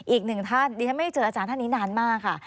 อีกหนึ่งท่านดิฉันไม่ได้เจออาจารย์ท่านนี้นานมากค่ะ